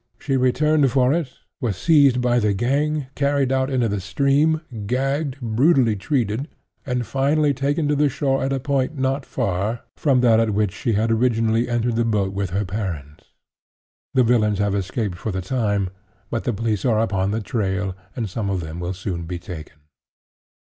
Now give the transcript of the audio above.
She returned for it, was seized by the gang, carried out into the stream, gagged, brutally treated, and finally taken to the shore at a point not far from that at which she had originally entered the boat with her parents. The villains have escaped for the time, but the police are upon their trail, and some of them will soon be taken."